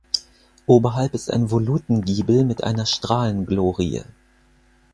Oberhalb ist ein Volutengiebel mit einer Strahlenglorie.